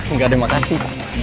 enggak ada makasih